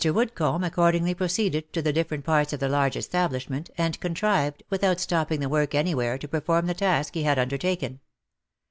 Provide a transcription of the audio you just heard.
Woodcomb accordingly proceeded to the different parts of the large establishment, and contrived, without stopping the work any where, to perform the task he had undertaken.